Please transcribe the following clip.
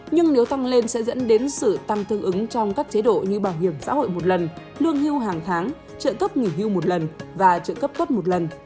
nhưng nếu tăng lên sẽ dẫn đến sự tăng tương ứng trong các chế độ như bảo hiểm xã hội một lần lương hưu hàng tháng trợ cấp nghỉ hưu một lần và trợ cấp tốt một lần